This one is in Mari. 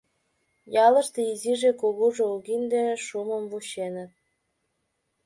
Ялыште изиже-кугужо угинде шумым вученыт.